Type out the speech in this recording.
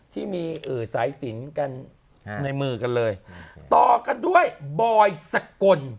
ที่มีสายสินกันในมือกันเลยต่อกันด้วยบอยสกล